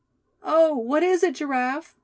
"Oh! what is it, Giraffe?"